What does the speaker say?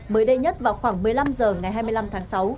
mới đây nhất vào khoảng một mươi năm h ngày hai mươi năm tháng sáu